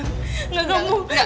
enggak enggak enggak